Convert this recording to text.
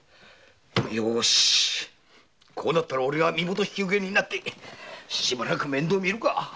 よしこうなったらおれが身元引受人になってしばらく面倒みるか。